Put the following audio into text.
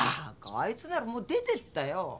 あいつならもう出てったよ。